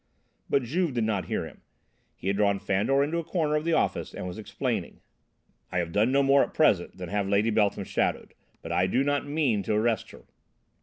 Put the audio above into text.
But Juve did not hear him; he had drawn Fandor into a corner of the office and was explaining: "I have done no more at present than have Lady Beltham shadowed, but I do not mean to arrest her.